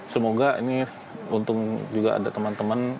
semoga ini untung juga ada teman teman